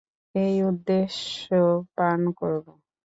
এই উদ্দেশ্যে পান করবো।